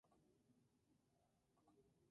Su distribución está restringida a África.